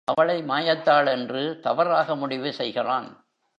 அவளை மாயத்தாள் என்று தவறாக முடிவு செய்கிறான்.